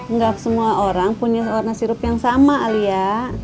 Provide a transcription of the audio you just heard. nggak semua orang punya warna sirup yang sama alia